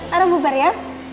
taruh bubar ya